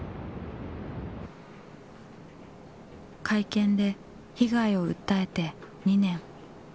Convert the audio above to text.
会見で被害を訴えて２年。